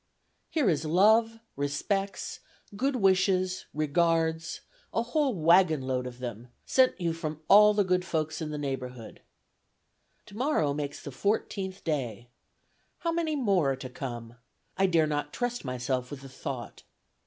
"Here is love, respects, good wishes, regards a whole wagon load of them, sent you from all the good folks in the neighborhood. "Tomorrow makes the fourteenth day. How many more are to come? I dare not trust myself with the thought.